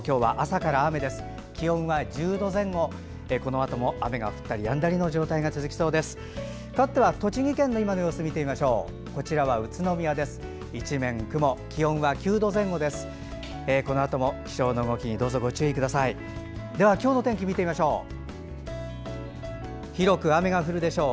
かわっては栃木県の今の様子見てみましょう。